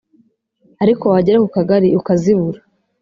ariko wagera ku kagari ukazibura